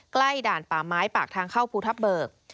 ด่านป่าไม้ปากทางเข้าภูทับเบิก